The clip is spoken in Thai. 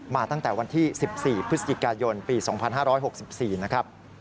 มาตั้งแต่วันที่๑๔พฤศจิกายนปี๒๕๖๔นะครับ